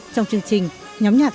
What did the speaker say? trong chương trình nhóm nhạc